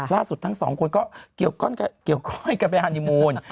ล่าสุดทั้งสองคนก็เกี่ยวข้องกันไปฮานีมูล